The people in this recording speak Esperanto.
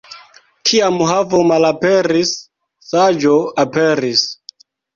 Kiam havo malaperis, saĝo aperis.